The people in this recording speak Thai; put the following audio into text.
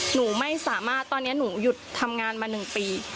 หนูไม่สามารถตอนนี้หนูหยุดทำงานมา๑ปี